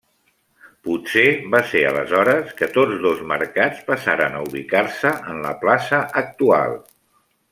Potser, va ser aleshores que tots dos mercats passaren a ubicar-se en la plaça actual.